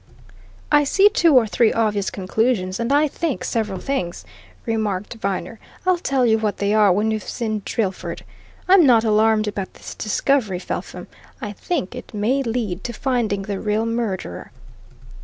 "I see two or three obvious conclusions, and I think several things," remarked Viner. "I'll tell you what they are when we've seen Drillford. I'm not alarmed about this discovery, Felpham. I think it may lead to finding the real murderer."